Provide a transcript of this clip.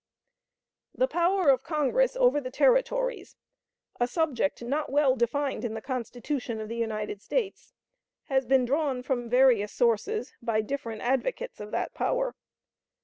The power of Congress over the Territories a subject not well defined in the Constitution of the United States has been drawn from various sources by different advocates of that power.